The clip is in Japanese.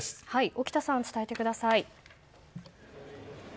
沖田さん、伝えてください。